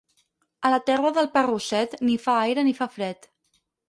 A la terra del parrusset ni fa aire ni fa fred.